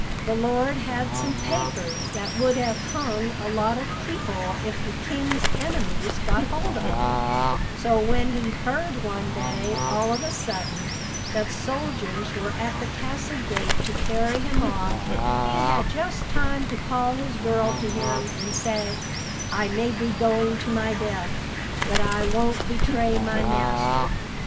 "The lord had some papers that would have hung a lot of people if the king's enemies got hold of 'em, so when he heard one day, all of a sudden, that soldiers were at the castle gate to carry him off, he had just time to call his girl to him, and say: 'I may be going to my death, but I won't betray my master.